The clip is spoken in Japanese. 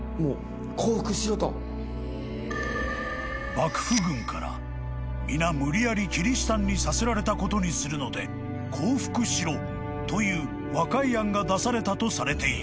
［幕府軍から「皆無理やりキリシタンにさせられたことにするので降伏しろ」という和解案が出されたとされている］